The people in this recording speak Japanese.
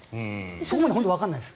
そこまで本当にわからないです。